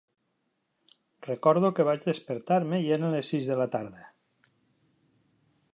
Recordo que vaig despertar-me i eren les sis de la tarda.